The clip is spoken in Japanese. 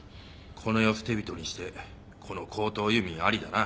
この世捨て人にしてこの高等遊民ありだな。